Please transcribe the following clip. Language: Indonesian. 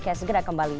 saya segera kembali